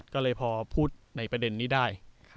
ก็เลยพอพูดในประเด็นนี้ได้